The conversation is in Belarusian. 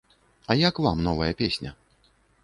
А як вам новая песня?